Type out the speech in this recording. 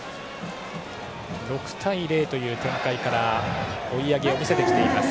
６対０という展開から追い上げを見せてきています。